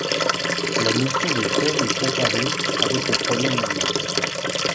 La notion de thème est apparue avec le problème indien.